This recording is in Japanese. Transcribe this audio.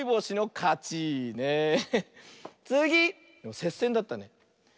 せっせんだったね。